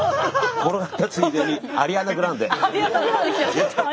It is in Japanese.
転がったついでにアリアナ・グランデ。